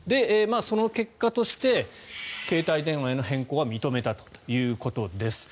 その結果として携帯電話への変更は認めたということです。